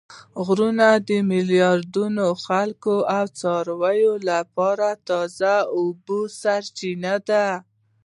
غرونه د میلیاردونو خلکو او څارویو لپاره د تازه اوبو سرچینه ده